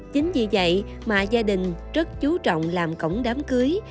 chính vì vậy mà gia đình rất chú trọng làm cổng đám cưới